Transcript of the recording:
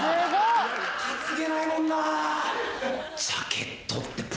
担げないもんな。